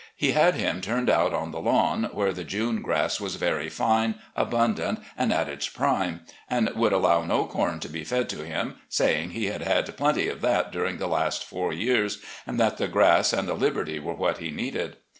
He had him turned out on the lawn, where the June grass was very fine, abundant, and at its prime, and would allow no com to be fed to him, saying he had had plenty of that during the last four years, and that the grass and the liberty were what he needed.